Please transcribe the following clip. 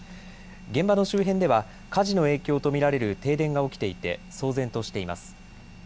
現場の周辺では火事の影響と見られる停電が起きていて騒然としています。